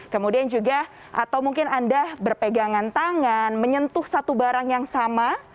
kemudian juga atau mungkin anda berpegangan tangan menyentuh satu barang yang sama